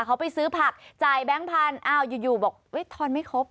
เขาไปซื้อผักจ่ายแบงค์พันธุ์อ้าวอยู่บอกทอนไม่ครบ